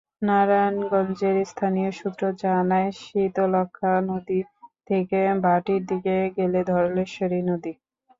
নারায়ণগঞ্জের স্থানীয় সূত্র জানায়, শীতলক্ষ্যা নদী থেকে ভাটির দিকে গেলে ধলেশ্বরী নদী।